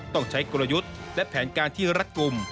ต้องใช้กลยุทธ์และแผนการที่รัดกลุ่ม